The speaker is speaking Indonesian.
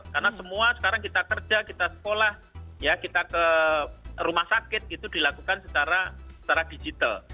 karena semua sekarang kita kerja kita sekolah kita ke rumah sakit itu dilakukan secara digital